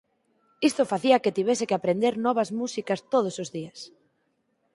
Isto facía que tivesen que aprender novas músicas todos os días.